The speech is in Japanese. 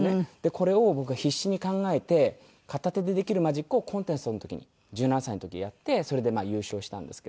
これを僕は必死に考えて片手でできるマジックをコンテストの時に１７歳の時にやってそれで優勝したんですけど。